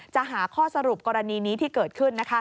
จะหาข้อสรุปกรณีนี้ที่เกิดขึ้น